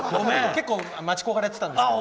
結構待ち焦がれてたんですけど。